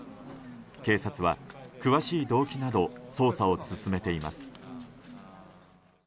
警察は、詳しい動機など捜査を進めています。